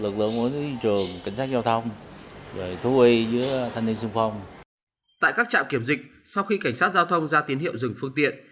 tại các trạm kiểm dịch sau khi cảnh sát giao thông ra tiến hiệu dừng phương tiện